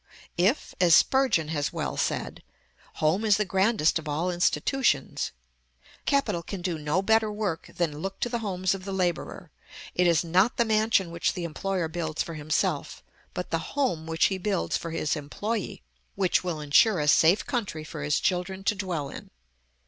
If, as Spurgeon has well said, "Home is the grandest of all institutions," capital can do no better work than look to the homes of the laborer. It is not the mansion which the employer builds for himself, but the home which he builds for his employé, which will insure a safe country for his children to dwell in.